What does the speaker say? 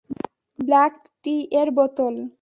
Black tea এর বোতল!